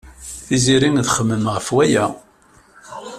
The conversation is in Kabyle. Tiziri txemmem ɣef waya.